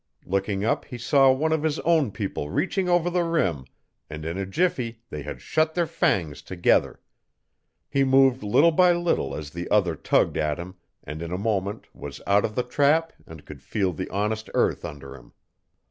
Looking up he saw one of his own people reaching over the rim, and in a jiffy they had shut their fangs together. He moved little by little as the other tagged at him, and in a moment was out of the trap and could feel the honest earth under him.